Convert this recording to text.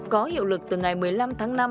có hiệu lực từ ngày một mươi năm tháng năm